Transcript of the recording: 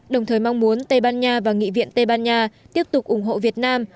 đồng thời mong muốn tây ban nha và nghị viện tây ban nha tiếp tục ủng hộ việt nam